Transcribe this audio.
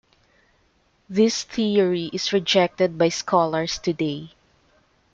This theory is rejected by scholars today.